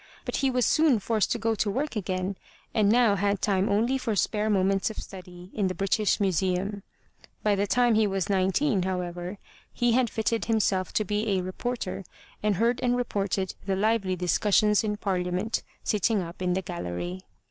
But he was soon forced to go to work again and now had time only for spare moments of study in the British Museimi. By the time he was nineteen, however, he had fitted himself to be a reporter and heard and reported the lively discussions in Parliament, sitting up in the gallery.